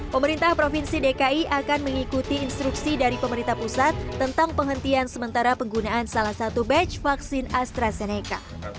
pemerintah provinsi dki akan mengikuti instruksi dari pemerintah pusat tentang penghentian sementara penggunaan salah satu batch vaksin astrazeneca